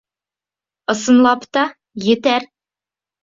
Ысынлап та, етәр.